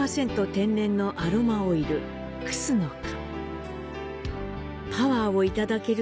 天然のアロマオイル「くすの香」。